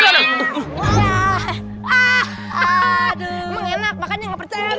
emang enak makanya gak percaya nri